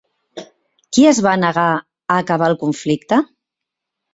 Qui es va negar a acabar el conflicte?